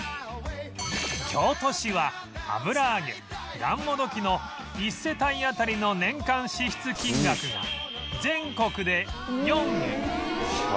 京都市は油揚げ・がんもどきの１世帯当たりの年間支出金額が全国で４位